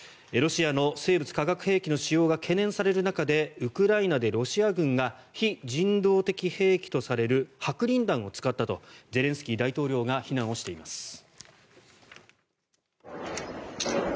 ロシアの生物・化学兵器の使用が懸念される中でウクライナでロシア軍が非人道的兵器とされる白リン弾を使ったとゼレンスキー大統領が非難しています。